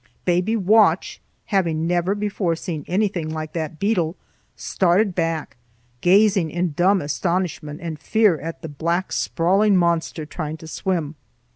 Baby Watch, having never before seen anything like that beetle, started back, gazing in dumb astonishment and fear at the black sprawling monster trying to swim.